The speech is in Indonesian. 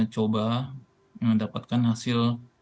coba mendapatkan hasil